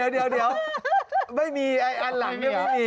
เดี๋ยวไม่มีอันหลังเนี่ย